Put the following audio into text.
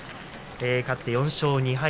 勝って４勝２敗。